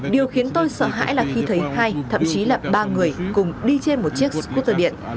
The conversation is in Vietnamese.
điều khiến tôi sợ hãi là khi thấy hai thậm chí là ba người cùng đi trên một chiếc scooter điện